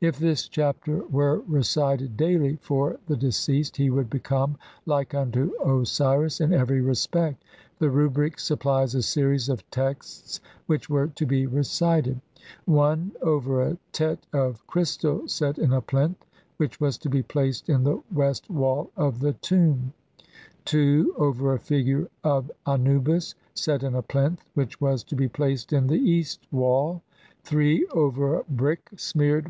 If this Chapter were recited daily (?) for the deceased he would become like unto Osiris in every respect. The Rubric supplies a series of texts which were to be recited: — (i) over a Tet of crystal set in a plinth, which was to be placed in the west wall of the tomb ; (2) over a figure of Anubis set in a plinth, which was to be placed in the east wall ; (3) over a brick smeared THE MAGIC OF THE ROOK OF THE DEAD.